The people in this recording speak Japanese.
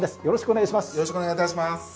よろしくお願いします。